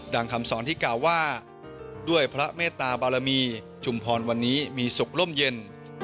คำสอนที่กล่าวว่าด้วยพระเมตตาบารมีชุมพรวันนี้มีสุขล่มเย็น